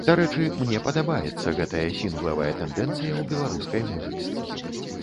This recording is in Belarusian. Дарэчы, мне падабаецца гэтая сінглавая тэндэнцыя ў беларускай музыцы.